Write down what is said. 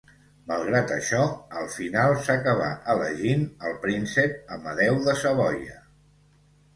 Malgrat això, al final s'acabà elegint al príncep Amadeu de Savoia.